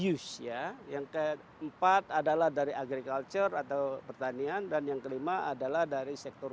use ya yang keempat adalah dari agriculture atau pertanian dan yang kelima adalah dari sektor